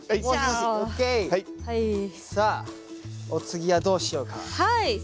さあお次はどうしようか。